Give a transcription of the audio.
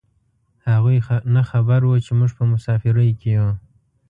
هغوی نه خبر و چې موږ په مسافرۍ کې یو.